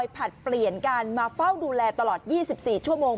ผลัดเปลี่ยนกันมาเฝ้าดูแลตลอด๒๔ชั่วโมง